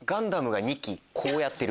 こうやってる。